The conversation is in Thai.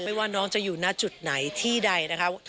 ว่าน้องจะอยู่ณจุดไหนที่ใดนะคะ